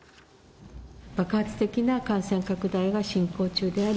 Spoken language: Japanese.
爆発的な感染拡大が進行中であり、